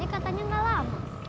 tadi katanya gak lama